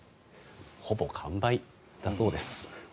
ほぼ完売だそうです。